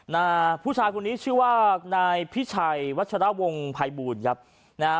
นะฮะผู้ชายคนนี้ชื่อว่านายพิชัยวัชรวงภัยบูลครับนะฮะ